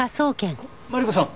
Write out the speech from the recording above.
マリコさん